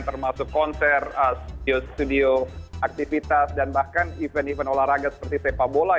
termasuk konser studio studio aktivitas dan bahkan event event olahraga seperti sepak bola